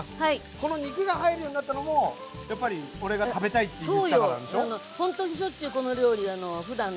この肉が入るようになったのもやっぱり俺が食べたいって言ったからでしょ？